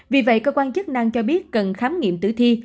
vì vậy cơ quan chức năng cho biết cần khám nghiệm tử thi